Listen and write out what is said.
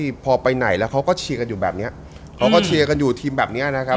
พอไปไหนแล้วเขาก็เชียร์กันอยู่แบบเนี้ยเขาก็เชียร์กันอยู่ทีมแบบเนี้ยนะครับ